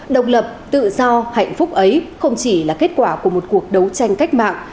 độc lập tự do hạnh phúc ấy không chỉ là kết quả của một cuộc đấu tranh cách mạng